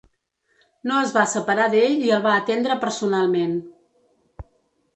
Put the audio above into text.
No es va separar d’ell i el va atendre personalment.